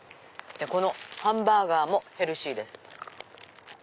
このハンバーガーもヘルシーです。